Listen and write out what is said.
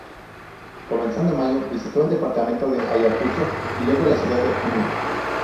Comenzando mayo, visitó el departamento de Ayacucho y luego la ciudad de Puno.